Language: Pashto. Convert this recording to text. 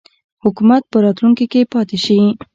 حکومت په راتلونکي کې پاته شي.